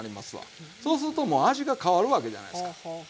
そうするともう味が変わるわけじゃないですか。ね。